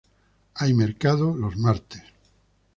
Hay mercado los martes.